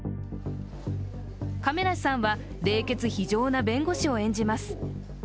亀梨さんは、冷血非情な弁護士を演じます。